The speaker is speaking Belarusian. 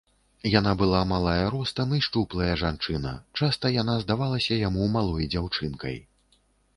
Яна была малая ростам і шчуплая жанчына, часта яна здавалася яму малой дзяўчынкай.